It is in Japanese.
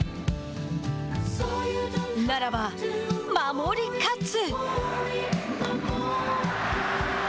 ならば、守り勝つ。